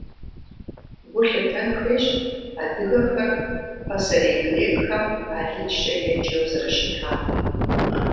Гу лъытэн хуейщ адыгэхэр пасэрей грекхэм алыджкӀэ еджэу зэрыщытам.